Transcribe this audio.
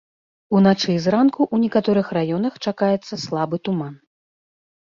Уначы і зранку ў некаторых раёнах чакаецца слабы туман.